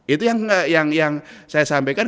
itu yang saya sampaikan